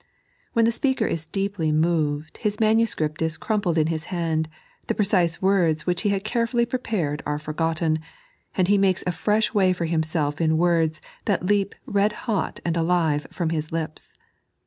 When the speaker is deeply moved, his manuscript is crumpled in his hand, the precise wordR which he had carefully prepared are forgotten, and he makes a fresh way for himself in words that leap red hot and alive from hia lipa.